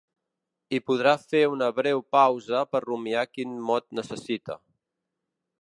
I podrà fer una breu pausa per rumiar quin mot necessita.